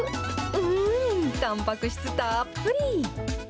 うーん、たんぱく質たっぷり。